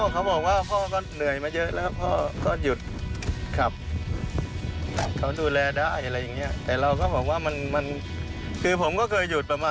เขาบอกว่าพ่อก็เหนื่อยมาเยอะแล้วพ่อก็หยุดขับ